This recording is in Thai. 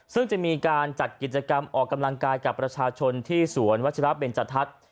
ซึ่งจะมีการจัดกิจกรรมออกกำลังกายกับประชาชนที่สวนวัชราเบนจทัศน์